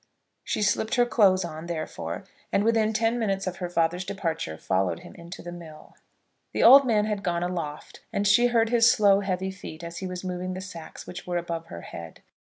She slipped her clothes on, therefore, and within ten minutes of her father's departure followed him into the mill. The old man had gone aloft, and she heard his slow, heavy feet as he was moving the sacks which were above her head.